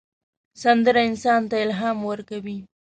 سندره انسان ته الهام ورکوي